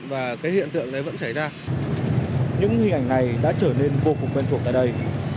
những hình ảnh này đã trở nên vô cùng quen thuộc tại đây